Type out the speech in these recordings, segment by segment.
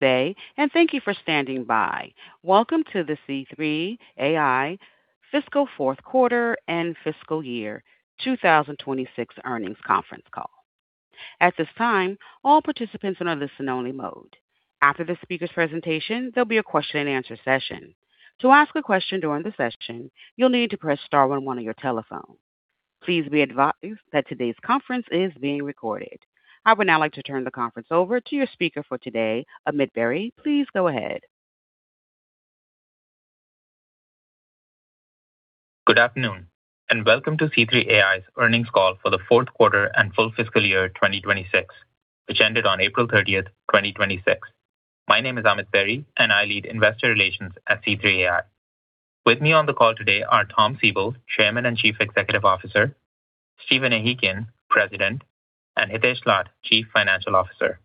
-day, and thank you for standing by. Welcome to the C3.ai fiscal fourth quarter and fiscal year 2026 earnings conference call. At this time, all participants are in a listen-only mode. After the speaker's presentation, there'll be a question and answer session. To ask a question during the session, you'll need to press star one on one on your telephone. Please be advised that today's conference is being recorded. I would now like to turn the conference over to your speaker for today, Amit Berry. Please go ahead. Good afternoon and welcome to C3.ai's earnings call for the fourth quarter and full fiscal year 2026, which ended on April 30th, 2026. My name is Amit Berry, and I lead investor relations at C3.ai. With me on the call today are Tom Siebel, Chairman and Chief Executive Officer, Stephen Ehikian, President, and Hitesh Lath, Chief Financial Officer.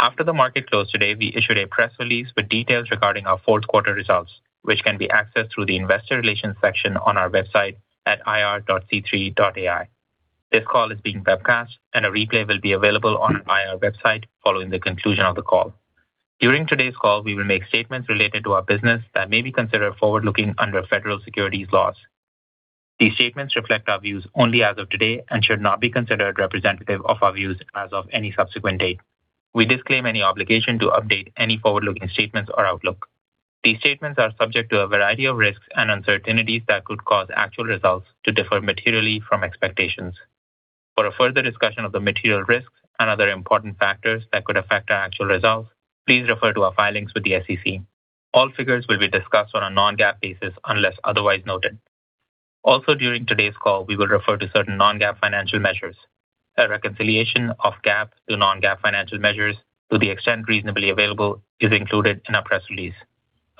After the market closed today, we issued a press release with details regarding our fourth quarter results, which can be accessed through the investor relations section on our website at ir.c3.ai. This call is being webcast, and a replay will be available on our IR website following the conclusion of the call. During today's call, we will make statements related to our business that may be considered forward-looking under federal securities laws. These statements reflect our views only as of today and should not be considered representative of our views as of any subsequent date. We disclaim any obligation to update any forward-looking statements or outlook. These statements are subject to a variety of risks and uncertainties that could cause actual results to differ materially from expectations. For a further discussion of the material risks and other important factors that could affect our actual results, please refer to our filings with the SEC. All figures will be discussed on a non-GAAP basis unless otherwise noted. Also, during today's call, we will refer to certain non-GAAP financial measures. A reconciliation of GAAP to non-GAAP financial measures, to the extent reasonably available, is included in our press release.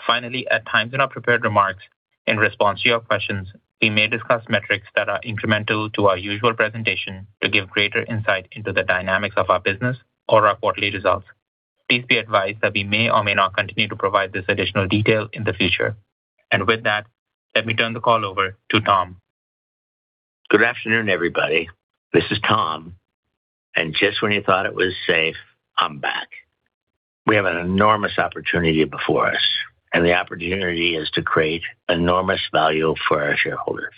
Finally, at times in our prepared remarks, in response to your questions, we may discuss metrics that are incremental to our usual presentation to give greater insight into the dynamics of our business or our quarterly results. Please be advised that we may or may not continue to provide this additional detail in the future. With that, let me turn the call over to Tom. Good afternoon, everybody. This is Tom. Just when you thought it was safe, I'm back. We have an enormous opportunity before us. The opportunity is to create enormous value for our shareholders.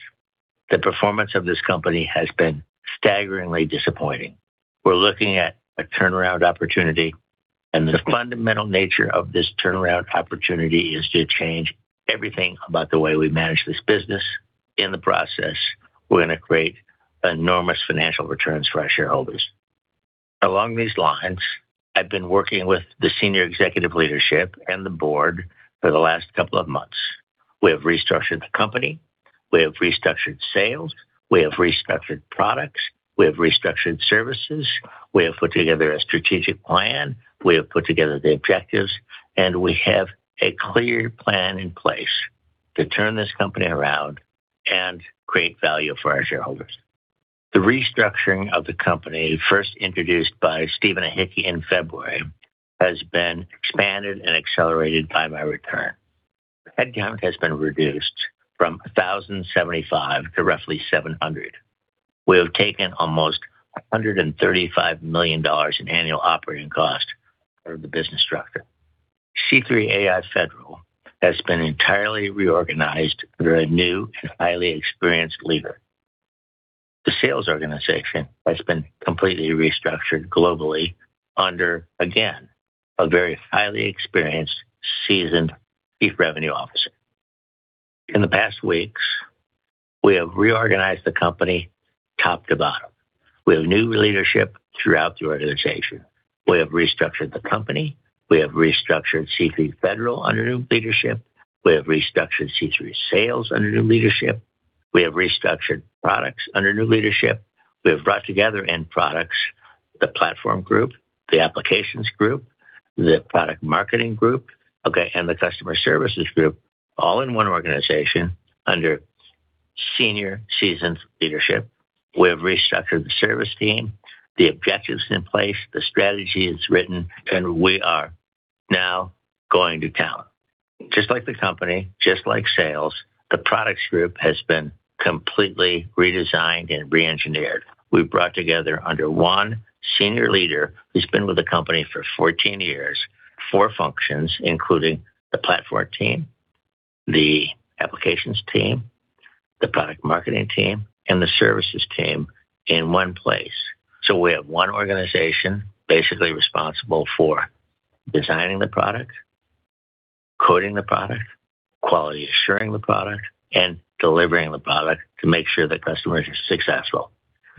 The performance of this company has been staggeringly disappointing. We're looking at a turnaround opportunity. The fundamental nature of this turnaround opportunity is to change everything about the way we manage this business. In the process, we're going to create enormous financial returns for our shareholders. Along these lines, I've been working with the senior executive leadership and the board for the last couple of months. We have restructured the company, we have restructured sales, we have restructured products, we have restructured services. We have put together a strategic plan, we have put together the objectives. We have a clear plan in place to turn this company around and create value for our shareholders. The restructuring of the company, first introduced by Stephen Ehikian in February, has been expanded and accelerated by my return. Headcount has been reduced from 1,075 to roughly 700. We have taken almost $135 million in annual operating cost out of the business structure. C3.ai Federal has been entirely reorganized under a new and highly experienced leader. The sales organization has been completely restructured globally under, again, a very highly experienced, seasoned chief revenue officer. In the past weeks, we have reorganized the company top to bottom. We have new leadership throughout the organization. We have restructured the company, we have restructured C3 Federal under new leadership, we have restructured C3 sales under new leadership. We have restructured products under new leadership. We have brought together end products, the platform group, the applications group, the product marketing group, okay, and the customer services group all in one organization under senior seasoned leadership. We have restructured the service team, the objective's in place, the strategy is written, and we are now going to town. Just like the company, just like sales, the products group has been completely redesigned and re-engineered. We've brought together under one senior leader who's been with the company for 14 years, four functions, including the platform team, the applications team, the product marketing team, and the services team in one place. We have one organization basically responsible for designing the product, coding the product, quality assuring the product, and delivering the product to make sure that customers are successful.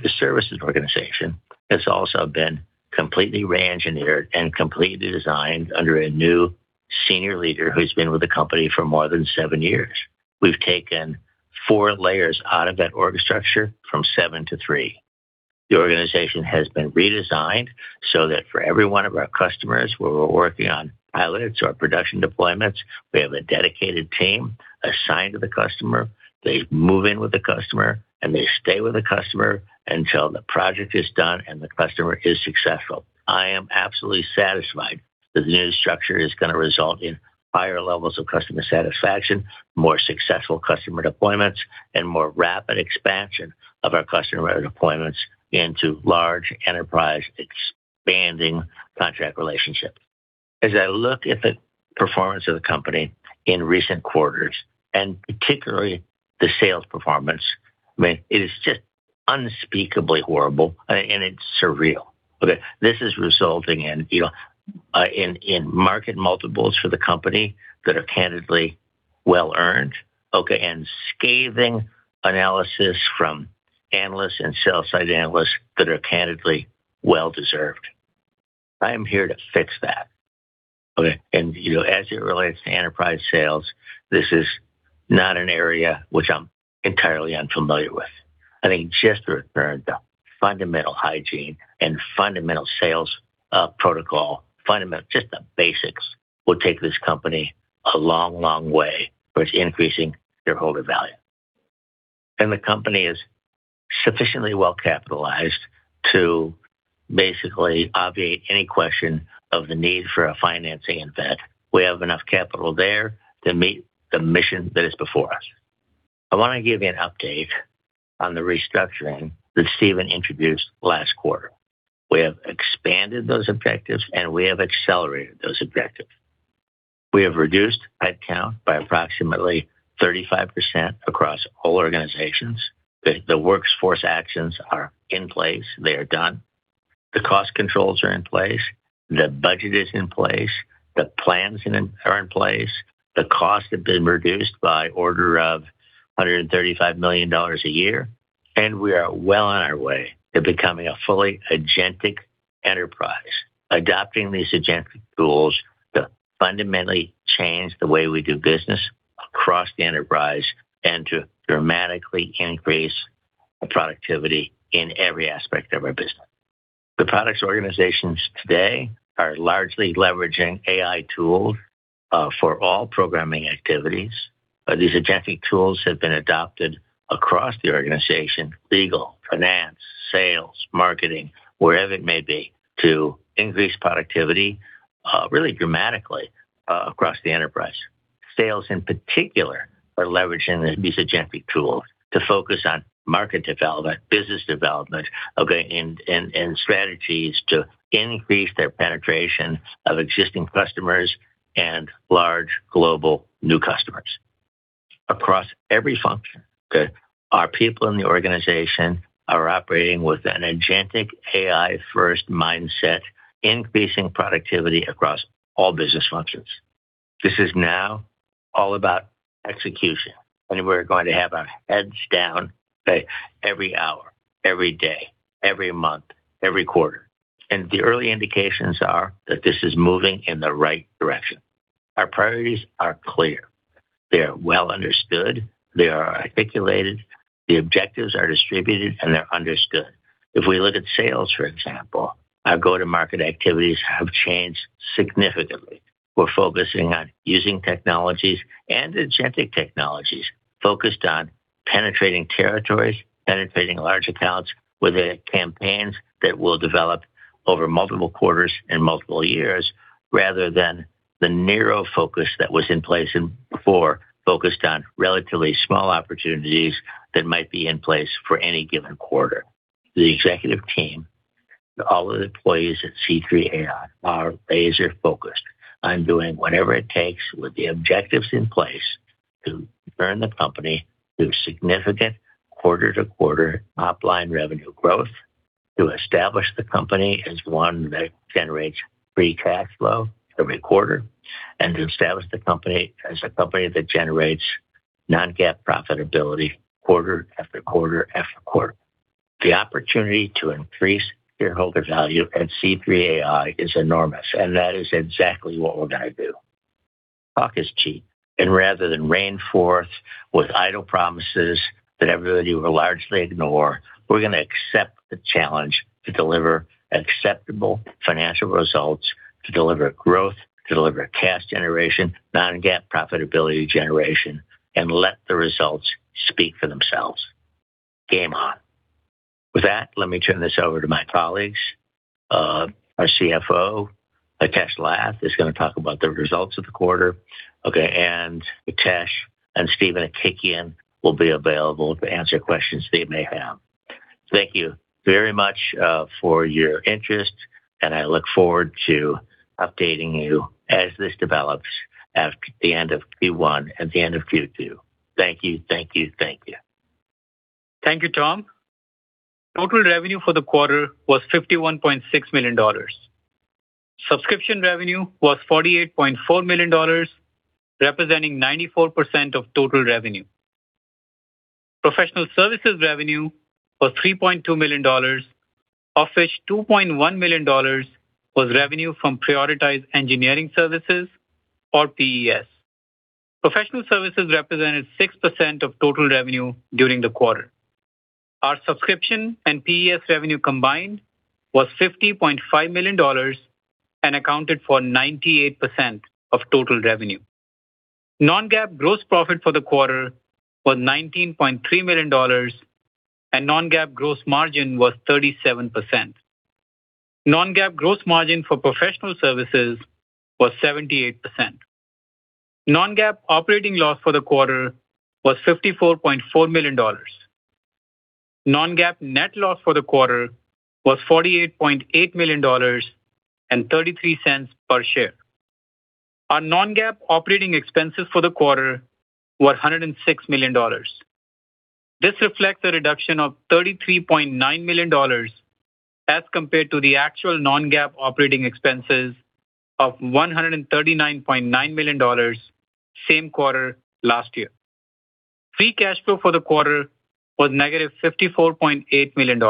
The services organization has also been completely re-engineered and completely redesigned under a new senior leader who's been with the company for more than 7 years. We've taken four layers out of that org structure from 7-3. The organization has been redesigned so that for every one of our customers where we're working on pilots or production deployments, we have a dedicated team assigned to the customer. They move in with the customer, and they stay with the customer until the project is done and the customer is successful. I am absolutely satisfied that the new structure is going to result in higher levels of customer satisfaction, more successful customer deployments, and more rapid expansion of our customer deployments into large enterprise expanding contract relationships. As I look at the performance of the company in recent quarters, and particularly the sales performance, it is just unspeakably horrible and it's surreal. Okay? This is resulting in market multiples for the company that are candidly well-earned, okay, and scathing analysis from analysts and sell-side analysts that are candidly well-deserved. I am here to fix that. Okay, as it relates to enterprise sales, this is not an area which I'm entirely unfamiliar with. I think just the return to fundamental hygiene and fundamental sales protocol, just the basics, will take this company a long way towards increasing shareholder value. The company is sufficiently well-capitalized to basically obviate any question of the need for a financing event. We have enough capital there to meet the mission that is before us. I want to give you an update on the restructuring that Stephen introduced last quarter. We have expanded those objectives, and we have accelerated those objectives. We have reduced headcount by approximately 35% across all organizations. The workforce actions are in place. They are done. The cost controls are in place. The budget is in place. The plans are in place. The cost have been reduced by order of $135 million a year, and we are well on our way to becoming a fully agentic enterprise, adopting these agentic tools to fundamentally change the way we do business across the enterprise and to dramatically increase productivity in every aspect of our business. The products organizations today are largely leveraging AI tools for all programming activities. These agentic tools have been adopted across the organization, legal, finance, sales, marketing, wherever it may be, to increase productivity really dramatically across the enterprise. Sales, in particular, are leveraging these agentic tools to focus on market development, business development, and strategies to increase their penetration of existing customers and large global new customers. Across every function, our people in the organization are operating with an agentic AI-first mindset, increasing productivity across all business functions. This is now all about execution. We're going to have our heads down every hour, every day, every month, every quarter. The early indications are that this is moving in the right direction. Our priorities are clear. They are well understood. They are articulated. The objectives are distributed, and they're understood. If we look at sales, for example, our go-to-market activities have changed significantly. We're focusing on using technologies and agentic technologies focused on penetrating territories, penetrating large accounts with campaigns that will develop over multiple quarters and multiple years, rather than the narrow focus that was in place before, focused on relatively small opportunities that might be in place for any given quarter. The executive team, all the employees at C3.ai, are laser-focused on doing whatever it takes with the objectives in place to turn the company to significant quarter-to-quarter top-line revenue growth, to establish the company as one that generates free cash flow every quarter, and to establish the company as a company that generates non-GAAP profitability quarter after quarter after quarter. The opportunity to increase shareholder value at C3.ai is enormous, and that is exactly what we're going to do. Talk is cheap. Rather than rain forth with idle promises that everybody will largely ignore, we're going to accept the challenge to deliver acceptable financial results, to deliver growth, to deliver cash generation, non-GAAP profitability generation, and let the results speak for themselves. Game on. Let me turn this over to my colleagues. Our CFO, Hitesh Lath, is going to talk about the results of the quarter. Hitesh and Stephen Ehikian will be available to answer questions that you may have. Thank you very much for your interest. I look forward to updating you as this develops at the end of Q1 and the end of Q2. Thank you. Thank you, Tom. Total revenue for the quarter was $51.6 million. Subscription revenue was $48.4 million, representing 94% of total revenue. Professional services revenue was $3.2 million, of which $2.1 million was revenue from prioritized engineering services or PES. Professional services represented 6% of total revenue during the quarter. Our subscription and PES revenue combined was $50.5 million and accounted for 98% of total revenue. Non-GAAP gross profit for the quarter was $19.3 million, and non-GAAP gross margin was 37%. Non-GAAP gross margin for professional services was 78%. Non-GAAP operating loss for the quarter was $54.4 million. Non-GAAP net loss for the quarter was $48.8 million and $0.33 per share. Our non-GAAP operating expenses for the quarter were $106 million. This reflects a reduction of $33.9 million as compared to the actual non-GAAP operating expenses of $139.9 million same quarter last year. Free cash flow for the quarter was -$54.8 million.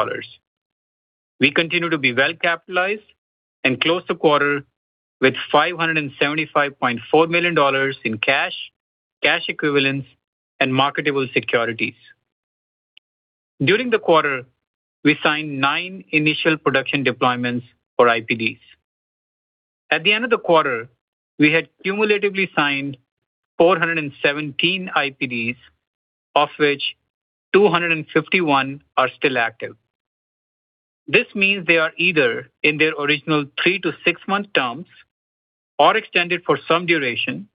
We continue to be well capitalized and closed the quarter with $575.4 million in cash equivalents and marketable securities. During the quarter, we signed nine Initial Production Deployments or IPDs. At the end of the quarter, we had cumulatively signed 417 IPDs, of which 251 are still active. This means they are either in their original three to six-month terms or extended for some duration,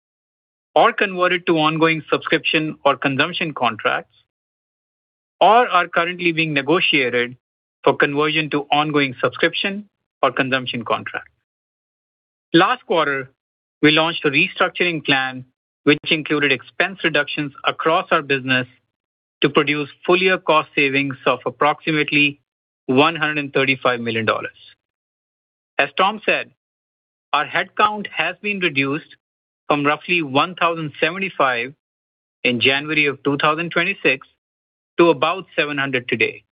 or converted to ongoing subscription or consumption contracts, or are currently being negotiated for conversion to ongoing subscription or consumption contract. Last quarter, we launched a restructuring plan which included expense reductions across our business to produce full year cost savings of approximately $135 million. As Tom said, our head count has been reduced from roughly 1,075 in January of 2026 to about 700 today,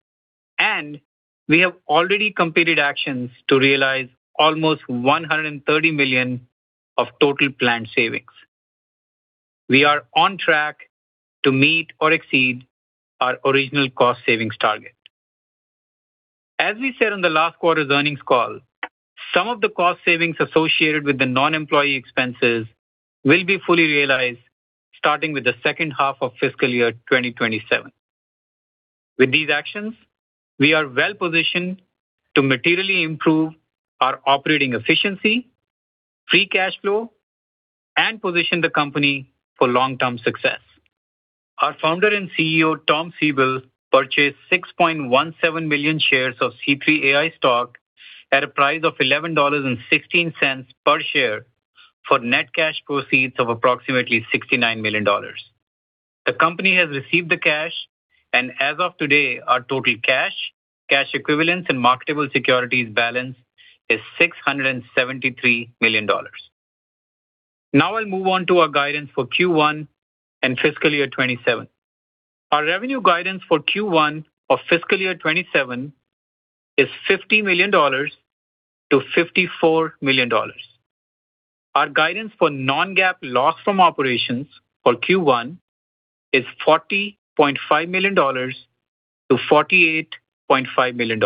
and we have already completed actions to realize almost $130 million of total planned savings. We are on track to meet or exceed our original cost savings target. As we said on the last quarter's earnings call, some of the cost savings associated with the non-employee expenses will be fully realized starting with the second half of fiscal year 2027. With these actions, we are well-positioned to materially improve our operating efficiency, free cash flow and position the company for long-term success. Our founder and CEO, Tom Siebel, purchased 6.17 million shares of C3.ai stock at a price of $11.16 per share for net cash proceeds of approximately $69 million. The company has received the cash, and as of today, our total cash equivalents and marketable securities balance is $673 million. I'll move on to our guidance for Q1 and fiscal year 2027. Our revenue guidance for Q1 of fiscal year 2027 is $50 million-$54 million. Our guidance for non-GAAP loss from operations for Q1 is $40.5 million-$48.5 million.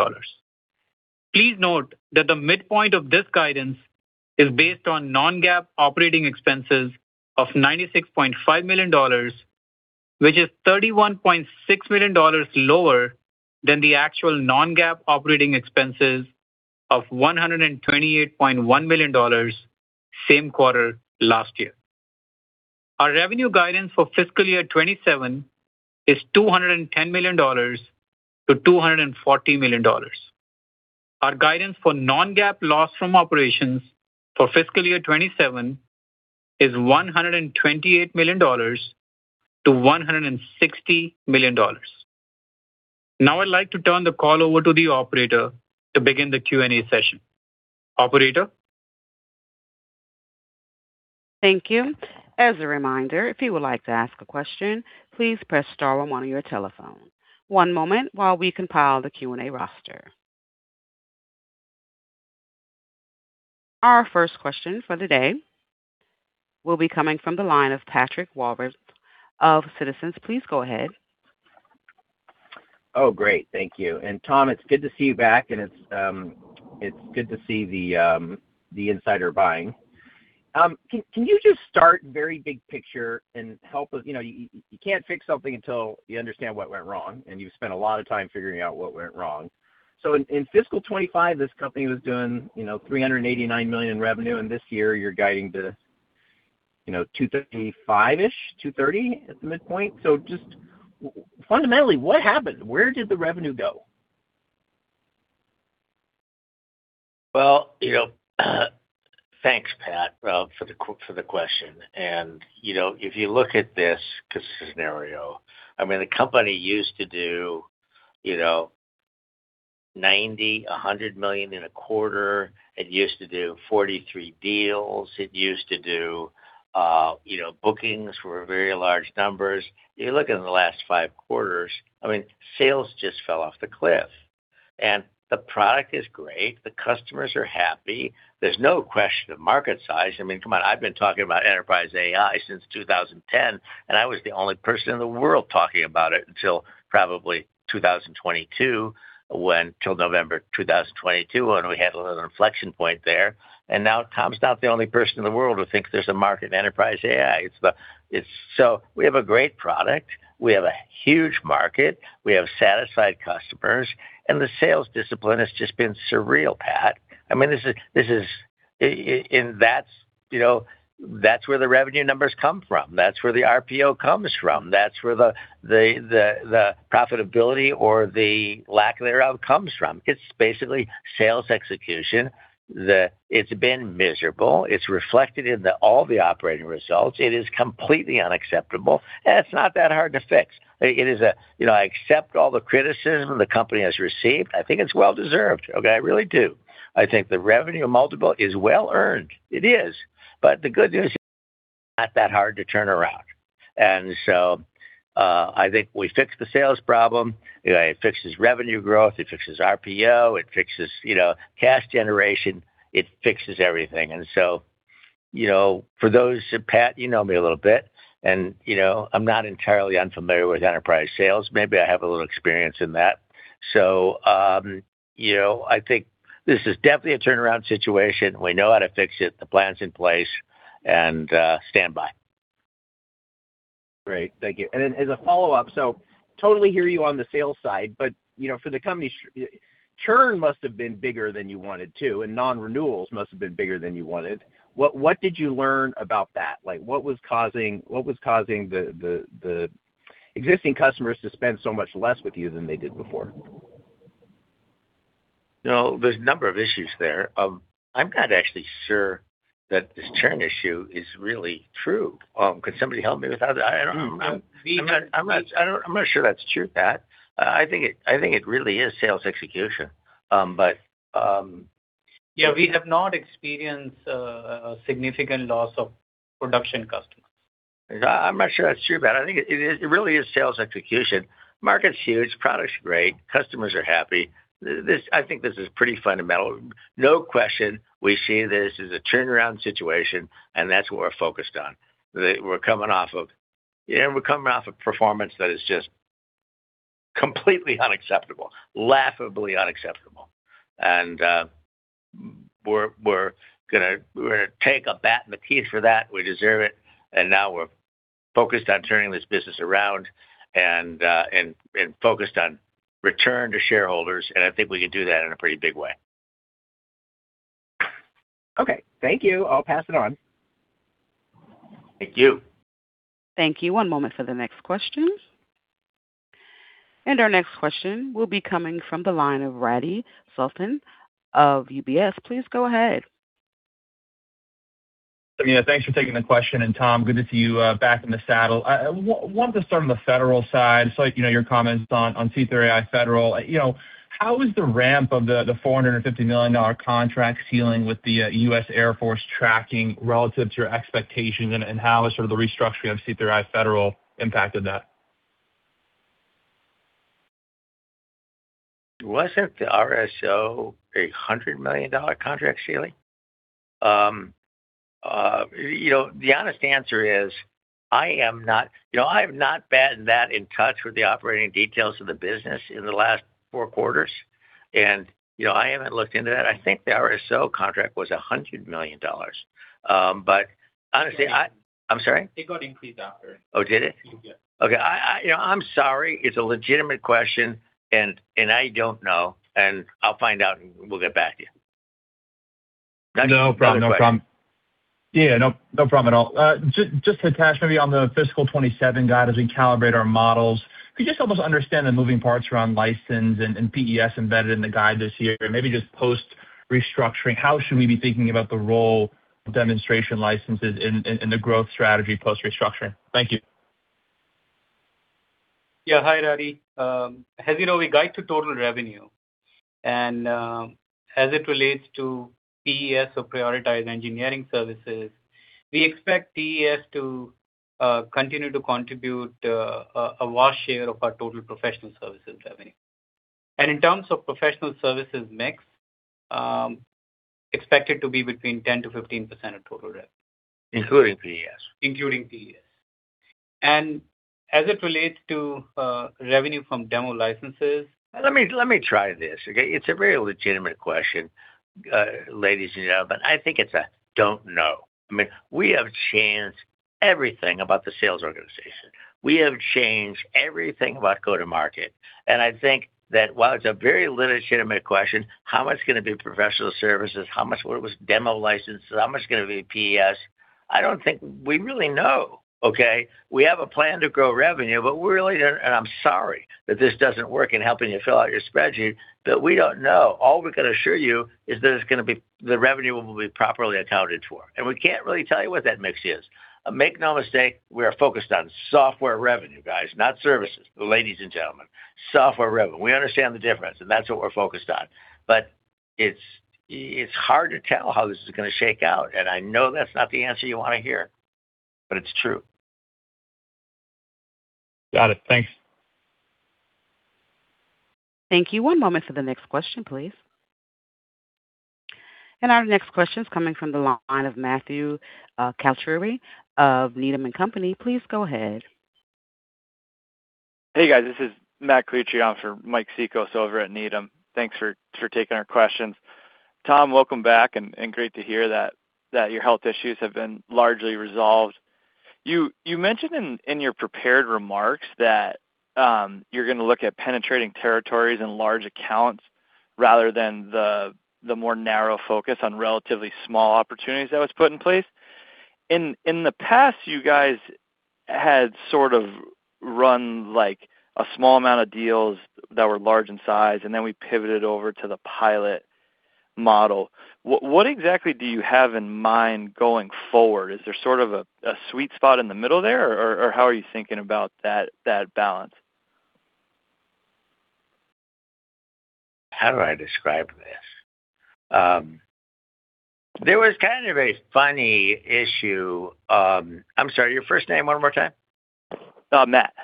Please note that the midpoint of this guidance is based on non-GAAP operating expenses of $96.5 million, which is $31.6 million lower than the actual non-GAAP operating expenses of $128.1 million same quarter last year. Our revenue guidance for fiscal year 2027 is $210 million-$240 million. Our guidance for non-GAAP loss from operations for fiscal year 2027 is $128 million-$160 million. I'd like to turn the call over to the operator to begin the Q&A session. Operator? Thank you. As a reminder, if you would like to ask a question, please press star on one of your telephone. One moment while we compile the Q&A roster. Our first question for the day will be coming from the line of Patrick Walravens of Citizens. Please go ahead. Oh, great. Thank you. Tom, it's good to see you back, and it's good to see the insider buying. Can you just start very big picture and help us? You can't fix something until you understand what went wrong, and you've spent a lot of time figuring out what went wrong. In fiscal 2025, this company was doing $389 million in revenue, and this year you're guiding to $235-ish, 230 at the midpoint. Just fundamentally, what happened? Where did the revenue go? Well, thanks, Pat, for the question. If you look at this scenario, I mean, the company used to do $90 million, $100 million in a quarter. It used to do 43 deals. It used to do bookings for very large numbers. You're looking at the last five quarters, I mean, sales just fell off the cliff. The product is great. The customers are happy. There's no question of market size. I mean, come on, I've been talking about enterprise AI since 2010, and I was the only person in the world talking about it until probably 2022, till November 2022, when we had a little inflection point there. Now Tom's not the only person in the world who thinks there's a market in enterprise AI. We have a great product. We have a huge market. We have satisfied customers, and the sales discipline has just been surreal, Pat.That's where the revenue numbers come from. That's where the RPO comes from. That's where the profitability or the lack thereof comes from. It's basically sales execution. It's been miserable. It's reflected in all the operating results. It is completely unacceptable, and it's not that hard to fix. I accept all the criticism the company has received. I think it's well-deserved. Okay. I really do. I think the revenue multiple is well-earned. It is. The good news is, it's not that hard to turn around. I think we fix the sales problem, it fixes revenue growth, it fixes RPO, it fixes cash generation. It fixes everything. For those who, Pat, you know me a little bit, and I'm not entirely unfamiliar with enterprise sales. Maybe I have a little experience in that. I think this is definitely a turnaround situation. We know how to fix it, the plan's in place, and stand by. Great. Thank you. Then as a follow-up, Totally hear you on the sales side, For the company, churn must have been bigger than you wanted too, and non-renewals must have been bigger than you wanted. What did you learn about that? What was causing the existing customers to spend so much less with you than they did before? There's a number of issues there. I'm not actually sure that this churn issue is really true. Could somebody help me with that? I'm not sure that's true, Pat. I think it really is sales execution. Yeah, we have not experienced a significant loss of production customers. I'm not sure that's true, Pat. I think it really is sales execution. Market's huge, product's great, customers are happy. I think this is pretty fundamental. No question, we see this as a turnaround situation, and that's what we're focused on. We're coming off of performance that is just completely unacceptable, laughably unacceptable. We're going to take a bat in the teeth for that. We deserve it, and now we're focused on turning this business around and focused on return to shareholders, and I think we can do that in a pretty big way. Okay. Thank you. I'll pass it on. Thank you. Thank you. One moment for the next question. Our next question will be coming from the line of Radi Sultan of UBS. Please go ahead. Yeah, thanks for taking the question, and Tom, good to see you back in the saddle. I wanted to start on the federal side. Saw your comments on C3.ai Federal. How is the ramp of the $450 million contract ceiling with the U.S. Air Force tracking relative to your expectations, and how has the restructuring of C3.ai Federal impacted that? Wasn't the RSO a $100 million contract ceiling? The honest answer is I have not been that in touch with the operating details of the business in the last four quarters, and I haven't looked into that. I think the RSO contract was $100 million. Honestly, I'm sorry? It got increased after. Oh, did it? Yeah. Okay. I'm sorry. It's a legitimate question, and I don't know, and I'll find out, and we'll get back to you. Next question. No problem. Yeah, no problem at all. Just to attach maybe on the fiscal 2027 guide as we calibrate our models, could you just help us understand the moving parts around license and PES embedded in the guide this year? Maybe just post-restructuring, how should we be thinking about the role of demonstration licenses in the growth strategy post-restructuring? Thank you. Yeah. Hi, Radi. As you know, we guide to total revenue, and as it relates to PES or prioritized engineering services, we expect PES to continue to contribute a large share of our total professional services revenue. In terms of professional services mix, expect it to be between 10%-15% of total rev. Including PES. Including PES. As it relates to revenue from demo licenses. Let me try this, okay? It's a very legitimate question, ladies and gentlemen. I think it's a "don't know." We have changed everything about the sales organization. We have changed everything about go-to-market. I think that while it's a very legitimate question, how much is going to be professional services, how much of it was demo licenses, how much is going to be PES? I don't think we really know, okay? We have a plan to grow revenue, but we really don't, and I'm sorry that this doesn't work in helping you fill out your spreadsheet, but we don't know. All we can assure you is that the revenue will be properly accounted for. We can't really tell you what that mix is. Make no mistake, we are focused on software revenue, guys, not services, ladies and gentlemen. Software revenue. We understand the difference, and that's what we're focused on. It's hard to tell how this is going to shake out, and I know that's not the answer you want to hear, but it's true. Got it. Thanks. Thank you. One moment for the next question, please. Our next question is coming from the line of Matthew Calitri of Needham & Company. Please go ahead. Hey, guys, this is Matt Calitri. I'm for Mike Cikos over at Needham. Thanks for taking our questions. Tom, welcome back, and great to hear that your health issues have been largely resolved. You mentioned in your prepared remarks that you're going to look at penetrating territories and large accounts rather than the more narrow focus on relatively small opportunities that was put in place. In the past, you guys had sort of run a small amount of deals that were large in size, and then we pivoted over to the pilot model. What exactly do you have in mind going forward? Is there sort of a sweet spot in the middle there, or how are you thinking about that balance? How do I describe this? There was kind of a funny issue. I'm sorry, your first name one more time? Matt.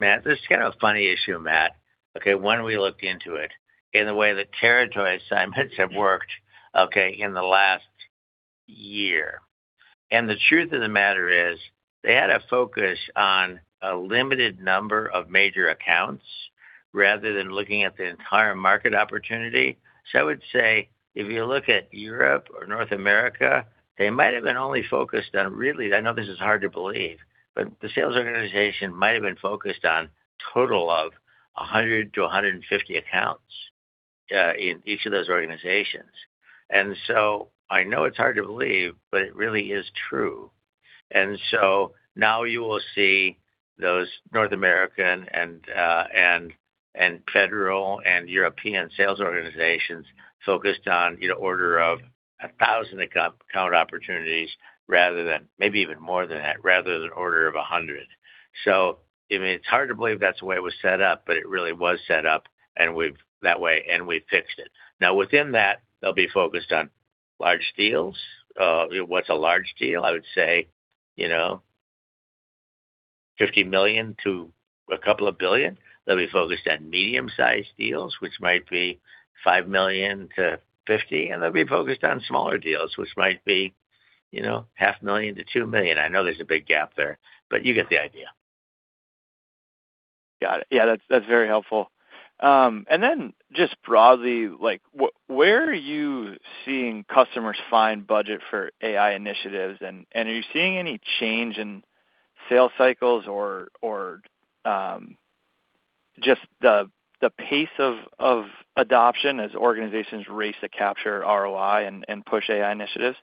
Matt, this is kind of a funny issue, Matt. Okay, when we looked into it, in the way the territory assignments have worked, okay, in the last year, and the truth of the matter is, they had a focus on a limited number of major accounts rather than looking at the entire market opportunity. I would say if you look at Europe or North America, they might have been only focused on really, I know this is hard to believe, but the sales organization might have been focused on total of 100-150 accounts in each of those organizations. I know it's hard to believe, but it really is true. Now you will see those North American and federal and European sales organizations focused on order of 1,000 account opportunities rather than maybe even more than that, rather than order of 100. It's hard to believe that's the way it was set up, but it really was set up that way and we fixed it. Now within that, they'll be focused on large deals. What's a large deal? I would say, $50 million to a couple of billion. They'll be focused on medium-sized deals, which might be $5 million-$50 million, and they'll be focused on smaller deals, which might be $0.5 Million-$2 million. I know there's a big gap there, but you get the idea. Got it. Yeah, that's very helpful. Then just broadly, where are you seeing customers find budget for AI initiatives, and are you seeing any change in sales cycles or just the pace of adoption as organizations race to capture ROI and push AI initiatives?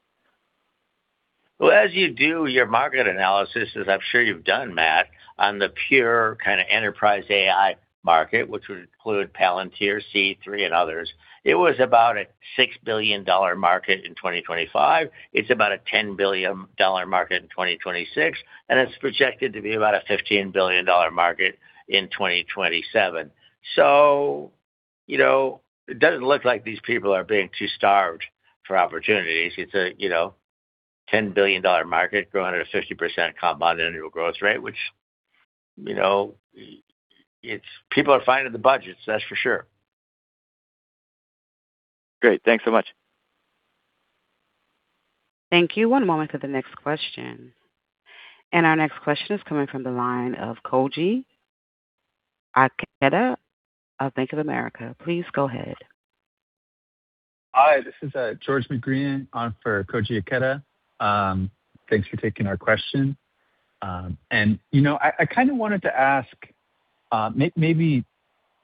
As you do your market analysis, as I'm sure you've done, Matt, on the pure kind of enterprise AI market, which would include Palantir, C3 and others, it was about a $6 billion market in 2025. It is about a $10 billion market in 2026, it is projected to be about a $15 billion market in 2027. It does not look like these people are being too starved for opportunities. It is a $10 billion market growing at a 50% compound annual growth rate, which people are finding the budgets, that is for sure. Great. Thanks so much. Thank you. One moment for the next question. Our next question is coming from the line of Koji Ikeda of Bank of America. Please go ahead. Hi, this is George McGrian on for Koji Ikeda. Thanks for taking our question. I kind of wanted to ask maybe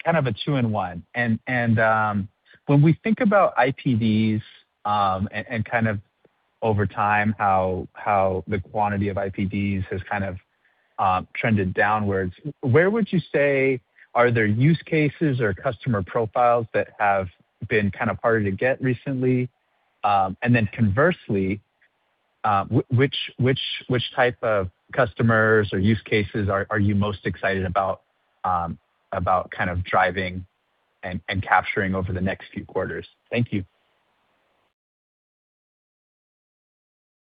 kind of a two in one, when we think about IPDs, and kind of over time how the quantity of IPDs has kind of trended downwards, where would you say are there use cases or customer profiles that have been kind of harder to get recently? Conversely, which type of customers or use cases are you most excited about kind of driving and capturing over the next few quarters? Thank you.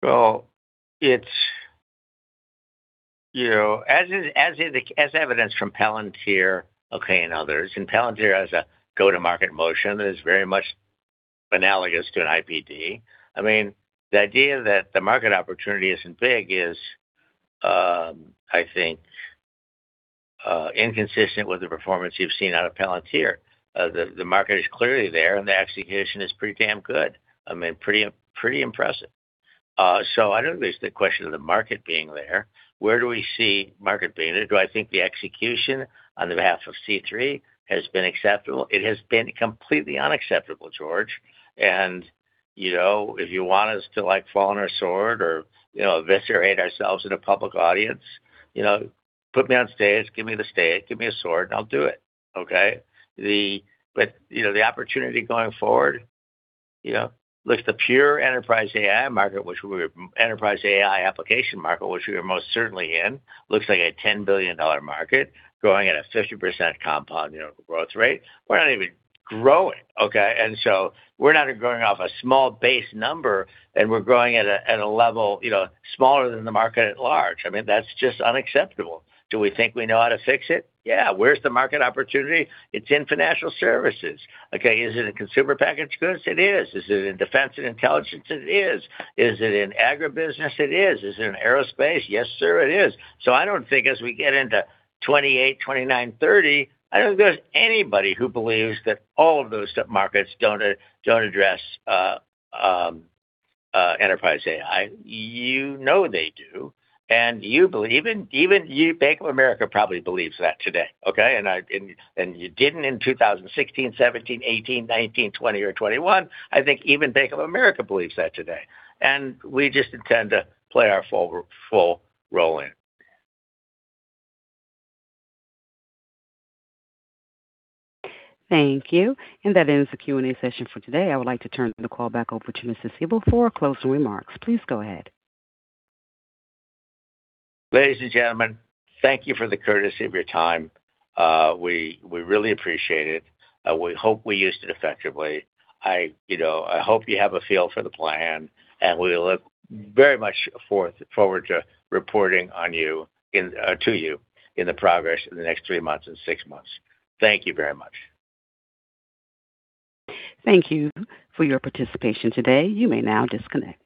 Well, as evidenced from Palantir, okay, and others, Palantir has a go-to-market motion that is very much analogous to an IPD. I mean, the idea that the market opportunity isn't big is, I think, inconsistent with the performance you've seen out of Palantir. The market is clearly there, and the execution is pretty damn good. I mean, pretty impressive. I don't think there's the question of the market being there. Where do we see market being there? Do I think the execution on the behalf of C3 has been acceptable? It has been completely unacceptable, George. If you want us to fall on our sword or eviscerate ourselves in a public audience, put me on stage, give me the stage, give me a sword, and I'll do it, okay? The opportunity going forward, look at the pure enterprise AI market, enterprise AI application market, which we are most certainly in, looks like a $10 billion market growing at a 50% compound annual growth rate. We're not even growing, okay? We're not growing off a small base number, and we're growing at a level smaller than the market at large. I mean, that's just unacceptable. Do we think we know how to fix it? Yeah. Where's the market opportunity? It's in financial services. Okay. Is it in consumer packaged goods? It is. Is it in defense and intelligence? It is. Is it in agribusiness? It is. Is it in aerospace? Yes, sir, it is. I don't think as we get into 2028, 2029, 2030, I don't think there's anybody who believes that all of those markets don't address enterprise AI. You know they do. Even Bank of America probably believes that today. You didn't in 2016, 2017, 2018, 2019, 2020, or 2021. I think even Bank of America believes that today. We just intend to play our full role in. Thank you. That ends the Q&A session for today. I would like to turn the call back over to Mr. Siebel for closing remarks. Please go ahead. Ladies and gentlemen, thank you for the courtesy of your time. We really appreciate it. We hope we used it effectively. I hope you have a feel for the plan, and we look very much forward to reporting to you in the progress in the next 3 months and 6 months. Thank you very much. Thank you for your participation today. You may now disconnect.